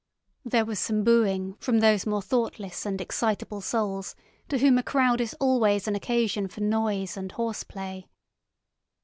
There was some booing from those more thoughtless and excitable souls to whom a crowd is always an occasion for noise and horse play.